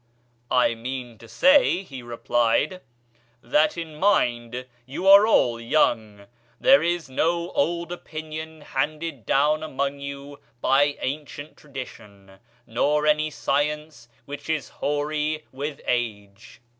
'I mean to say,' he replied, 'that in mind you are all young; there is no old opinion handed down among you by ancient tradition, nor any science which is hoary with age.